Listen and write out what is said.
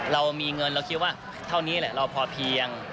เรามีเงินเราคิดว่าเท่านี้แหละเราพอเพียง